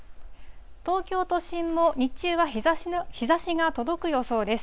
東京都心も日中は日ざしが届く予想です。